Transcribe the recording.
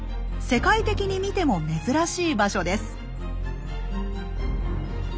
世界的に見ても珍しい場所です。